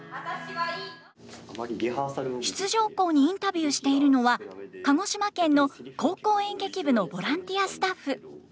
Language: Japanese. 出場校にインタビューしているのは鹿児島県の高校演劇部のボランティアスタッフ。